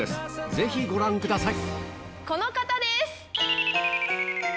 ぜひご覧ください